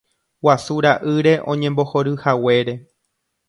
Guasu ra'ýre oñembohoryhaguére.